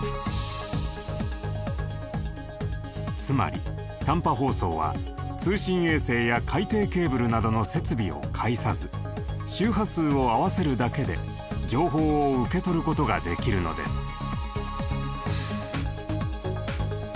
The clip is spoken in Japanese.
つまり短波放送は通信衛星や海底ケーブルなどの設備を介さず周波数を合わせるだけで情報を受け取ることができるのです。